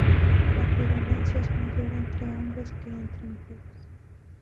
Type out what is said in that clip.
La prevalencia es mayor entre hombres que entre mujeres.